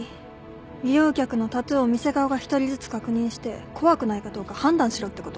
利用客のタトゥーを店側が一人ずつ確認して怖くないかどうか判断しろってこと？